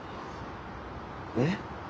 えっ？